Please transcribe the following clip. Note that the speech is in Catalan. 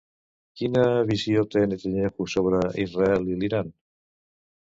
Quina visió té Netanyahu sobre Israel i l'Iran?